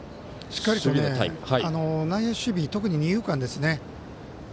しっかりと特に二遊間ですね。